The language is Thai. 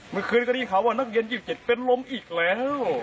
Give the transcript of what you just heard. เมื่อคืนก็ได้ยินข่าวว่านักเรียน๒๗เป็นลมอีกแล้ว